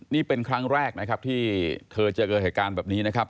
นี่เป็นครั้งแรกนะครับที่เธอจะเกิดเหตุการณ์แบบนี้นะครับ